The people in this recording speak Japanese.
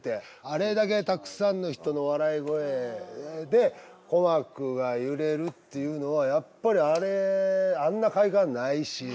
あれだけたくさんの人の笑い声で鼓膜が揺れるっていうのはやっぱりあれあんな快感ないし。